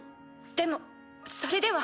でもそれでは。